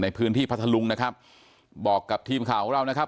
พัทธลุงนะครับบอกกับทีมข่าวของเรานะครับ